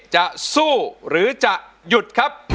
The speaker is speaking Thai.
จะสู้หรือจะหยุด